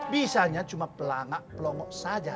bisanya cuma pelangak pelongok saja